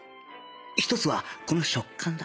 一つはこの食感だ